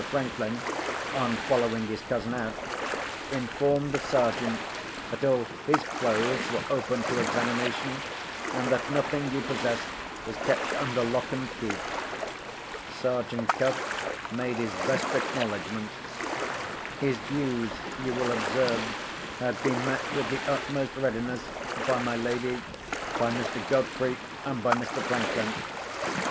Franklin, on following his cousin out, informed the Sergeant that all his clothes were open to examination, and that nothing he possessed was kept under lock and key. Sergeant Cuff made his best acknowledgments. His views, you will observe, had been met with the utmost readiness by my lady, by Mr. Godfrey, and by Mr. Franklin.